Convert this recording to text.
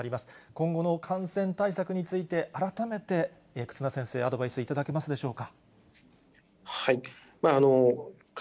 今後の感染対策について、改めて忽那先生、アドバイスいただけますでしょうか。